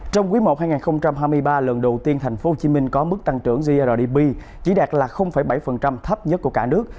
trong quý một hai nghìn hai mươi ba lần đầu tiên thành phố hồ chí minh có mức tăng trưởng grdp chỉ đạt là bảy thấp nhất của cả nước